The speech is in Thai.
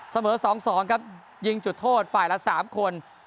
เสมอ๒๒ครับยิงจุดโทษฝ่ายละ๓คน